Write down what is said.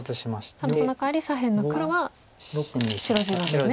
ただそのかわり左辺の黒は白地なんですね。